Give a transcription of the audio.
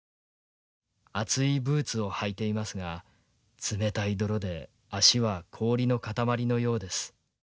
厚いブーツを履いていますが冷たい泥で足は氷の塊のようです。